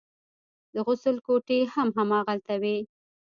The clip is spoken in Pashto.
د غسل کوټې هم هماغلته وې.